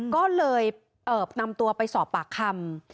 ก็เลยนำตัวไปสอบปากคำ